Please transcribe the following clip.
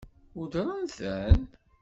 Weddṛen-ten?